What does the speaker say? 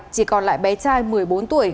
chỉ còn lại bé trai một mươi bốn tuổi